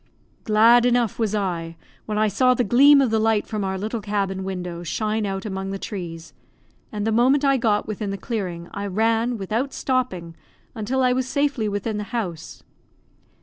Glad enough was I when I saw the gleam of the light from our little cabin window shine out among the trees; and, the moment I got within the clearing I ran, without stopping until I was safely within the house.